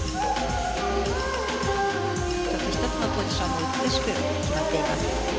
１つ１つのポジションが美しく決まっています。